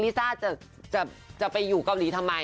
ซ่าจะไปอยู่เกาหลีทำไม